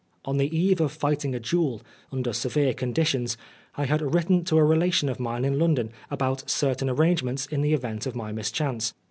On the eve of fighting a duel, under severe conditions, I had written to a relation of mine in London about certain arrangements in the event of my mischance.